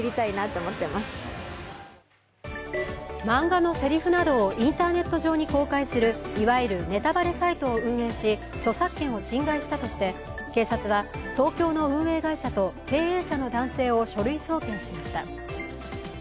漫画のせりふなどをインターネット上に公開するいわゆるネタバレサイトを運営し著作権を侵害したとして警察は東京の運営会社と経営者の男性を書類送検しました。